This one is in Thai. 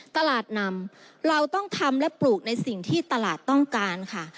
ตลาดนำเราต้องทำและปลูกในสิ่งที่ตลาดต้องการค่ะ